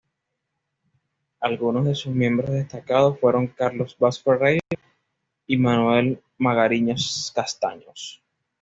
Algunos de sus miembros destacados fueron Carlos Vaz Ferreira y Manuel Magariños Castaños.